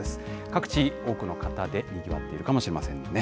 各地、多くの方でにぎわっているかもしれませんね。